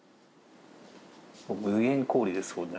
無限氷ですもんね。